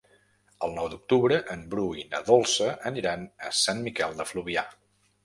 El nou d'octubre en Bru i na Dolça aniran a Sant Miquel de Fluvià.